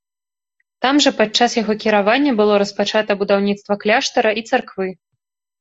Там жа падчас яго кіравання было распачата будаўніцтва кляштара і царквы.